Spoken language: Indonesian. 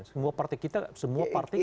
semua partai kita semua partai